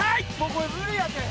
これ無理やて！